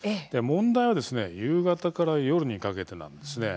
問題は夕方から夜にかけてなんです。